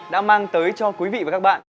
đã mang tới cho quý vị và các bạn